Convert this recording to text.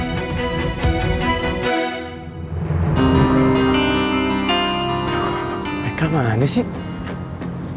mereka mana sih